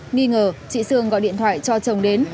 nghi ngờ chị sương gọi điện thoại cho chồng đến